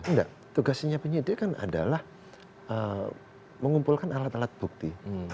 enggak tugasnya penyidik kan adalah mengumpulkan alat alat bukti